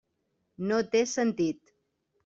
No té sentit.